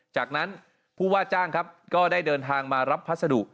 จากนั้นผู้ว่าจ้างครับก็ได้เดินทางมารับพัสดุ